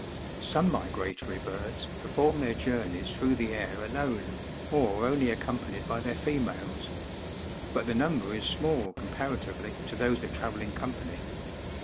13. Some migfatory birds perform their journeys through the Hir alone or only accompanied by their females ; but the number is small comparatively to those that travel in company.